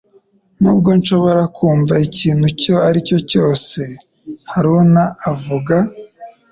Ntabwo nshobora kumva ikintu icyo ari cyo cyose Haruna avuga